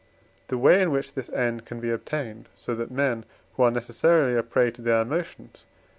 The way in which this end can be obtained, so that men who are necessarily a prey to their emotions (IV.